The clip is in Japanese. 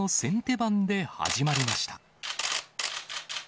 番で始まりました。